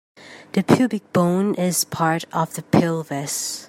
The pubic bone is part of the pelvis.